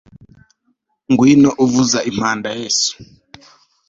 ngwino uvuza impanda, yesu